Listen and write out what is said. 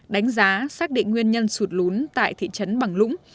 đánh giá xác định nguyên nhân sụt lún tại thị trấn bằng lũng